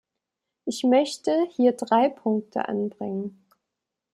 Ich möchte hier drei Punkte anbringen.